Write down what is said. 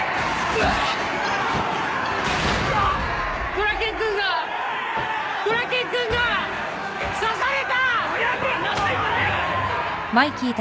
ドラケン君がドラケン君が刺された！